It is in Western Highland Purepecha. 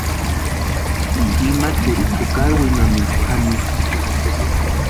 Ima churikwa jukari winhamintu janisti.